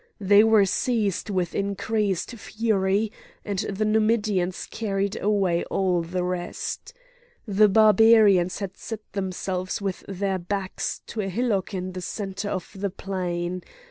They were seized with increased fury, and the Numidians carried away all the rest. The Barbarians had set themselves with their backs to a hillock in the centre of the plain.